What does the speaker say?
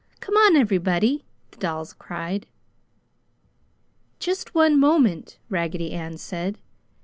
"Come on, everybody!" the dolls cried. "Just one moment!" Raggedy Ann said.